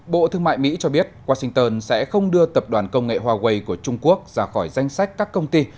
bộ thương mại mỹ cho biết washington sẽ không đưa tập đoàn công nghệ huawei của trung quốc ra khỏi danh sách các công ty